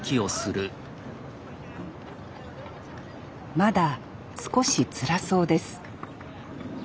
まだ少しつらそうです